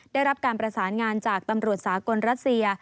ได้รับการประสานงานจากตำรวจสากลรัสเซีย